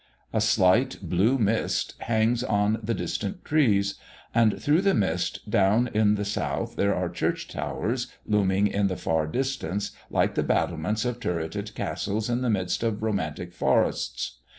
A slight blue mist hangs on the distant trees; and through the mist down in the south there are church towers looming in the far distance like the battlements of turretted castles in the midst of romantic forests.